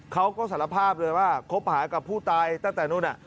เขาก็สารภาพเลยว่าคบหากับผู้ตายตั้งแต่นู้น